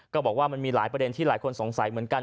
ก็บอกว่ามันมีหลายประเด็นที่หลายคนสงสัยเหมือนกัน